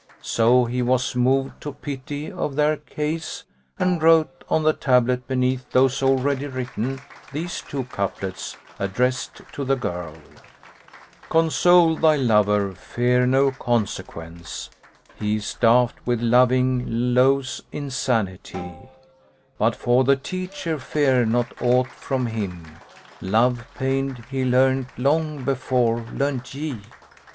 So he was moved to pity of their case and wrote on the tablet beneath those already written these two couplets addressed to the girl, "Console thy lover, fear no consequence; * He is daft with loving lowe's insanity; But for the teacher fear not aught from him; * Love pain he learned long before learnt ye."